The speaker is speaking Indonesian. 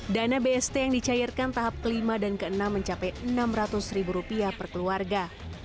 dana bst yang dicairkan tahap kelima dan keenam mencapai rp enam ratus per keluarga